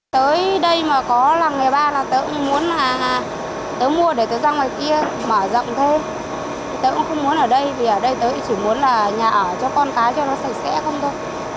tới đây mà có làng nghề ba là tớ cũng muốn là tớ mua để tớ ra ngoài kia mở rộng thôi tớ cũng không muốn ở đây vì ở đây tớ cũng chỉ muốn là nhà ở cho con cái cho nó sạch sẽ không thôi